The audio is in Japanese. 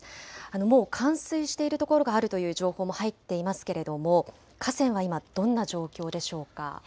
もう冠水しているところがあるという情報も入っていますけれども河川は今、どんな状況でしょうか。